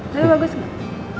tapi bagus gak